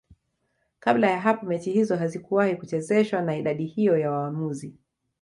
kabla ya hapo mechi hizo hazikuwahi kuchezeshwa na idadi hiyo ya waamuzi